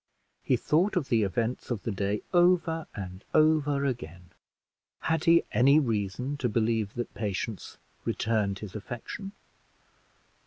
He thought of the events of the day over and over again. Had he any reason to believe that Patience returned his affection?